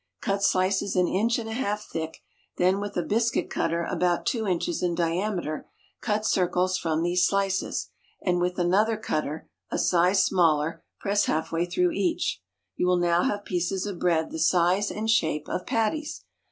Cut slices an inch and a half thick, then with a biscuit cutter about two inches in diameter cut circles from these slices, and with another cutter, a size smaller, press half way through each. You will now have pieces of bread the size and shape of patties.